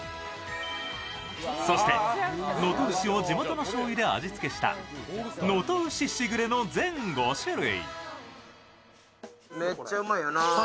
そして、能登牛を地元のしょうゆで味付けした能登牛しぐれの全５種類。